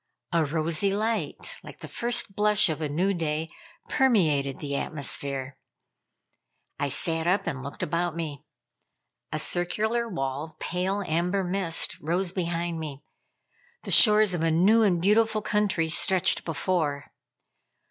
A rosy light, like the first blush of a new day, permeated the atmosphere. I sat up and looked about me. A circular wall of pale amber mist rose behind me; the shores of a new and beautiful country stretched before.